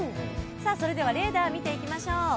それではレーダー見ていきましょう。